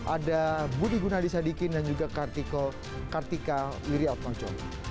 ada budi gunadisadikin dan juga kartika wiryatonco